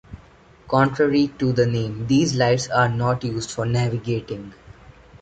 Contrary to the name, these lights are not used for navigating.